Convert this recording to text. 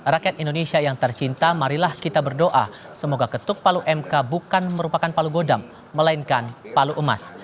rakyat indonesia yang tercinta marilah kita berdoa semoga ketuk palu mk bukan merupakan palu godam melainkan palu emas